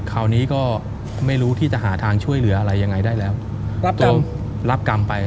คราวนี้ก็ไม่รู้ที่จะหาทางช่วยเหลืออะไรยังไงได้แล้วรับกรรมไป